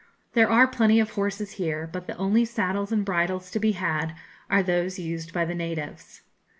There are plenty of horses here, but the only saddles and bridles to be had are those used by the natives.